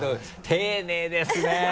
丁寧ですね。